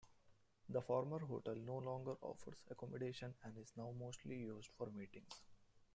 The former hotel no longer offers accommodation and is now mostly used for meetings.